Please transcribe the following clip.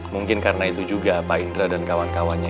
mungkin karena itu juga pak indra dan kawan kawannya